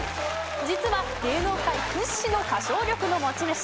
実は芸能界屈指の歌唱力の持ち主。